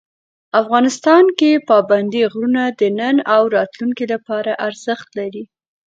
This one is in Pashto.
افغانستان کې پابندی غرونه د نن او راتلونکي لپاره ارزښت لري.